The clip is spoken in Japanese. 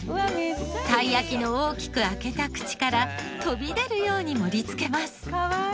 たい焼きの大きく開けた口から飛び出るように盛り付けます。